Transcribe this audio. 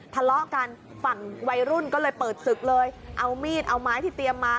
ทะเลาะกันฝั่งวัยรุ่นก็เลยเปิดศึกเลยเอามีดเอาไม้ที่เตรียมมา